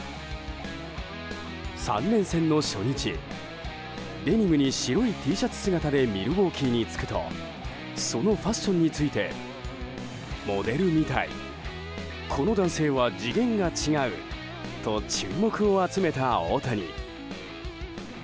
３連戦の初日デニムに白いＴシャツ姿でミルウォーキーに着くとそのファッションについてモデルみたいこの男性は次元が違うと注目を集めた大谷。